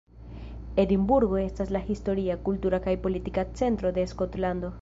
Edinburgo estas la historia, kultura kaj politika centro de Skotlando.